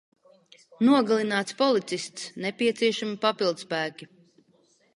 Nogalināts policists. Nepieciešami papildspēki.